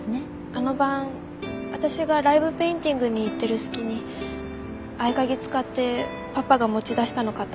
あの晩私がライブペインティングに行ってる隙に合鍵使ってパパが持ち出したのかと。